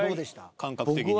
感覚的には。